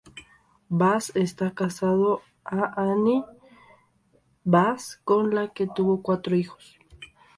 Bass está casado a Anne T. Bass, con la que tuvo cuatro hijos.